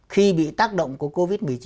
khi bị tác động của covid một mươi chín